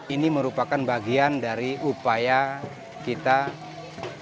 ini merupakan bagian dari upaya yang kita lakukan